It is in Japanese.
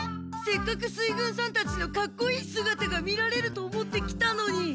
せっかく水軍さんたちのかっこいいすがたが見られると思って来たのに。